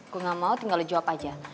gue nggak mau tinggal lo jawab aja